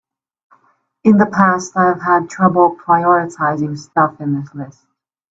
In the past I've had trouble prioritizing stuff in this list.